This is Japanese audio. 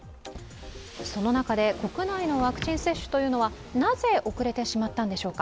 その中で国内のワクチン接種というのはなぜ遅れてしまったんでしょうか。